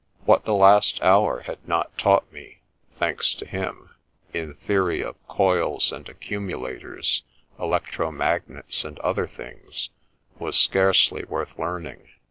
What the last hour had not taught me (thanks to him) in theory of coils and accumulators, electro magnets and other things, was scarcely worth learn ing.